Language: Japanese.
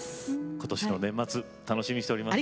今年の年末楽しみにしております。